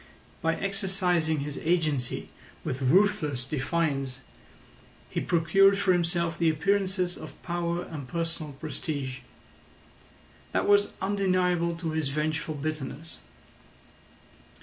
By exercising his agency with ruthless defiance he procured for himself the appearances of power and personal prestige. That was undeniable to his vengeful bitterness.